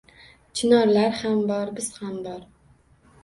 — Chinorlar ham bor... biz ham bor!